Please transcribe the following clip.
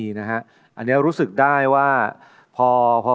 โปรดติดตามต่อไป